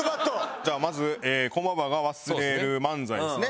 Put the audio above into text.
じゃあまず駒場が忘れる漫才ですね。